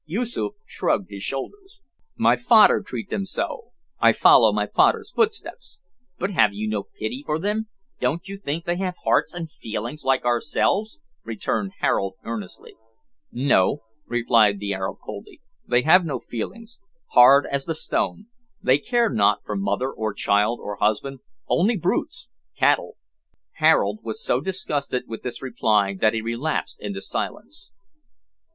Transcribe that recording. Yoosoof shrugged his shoulders. "My fader treat them so; I follow my fader's footsteps." "But have you no pity for them? Don't you think they have hearts and feelings like ourselves?" returned Harold earnestly. "No," replied the Arab coldly. "They have no feelings. Hard as the stone. They care not for mother, or child, or husband. Only brutes cattle." Harold was so disgusted with this reply that he relapsed into silence.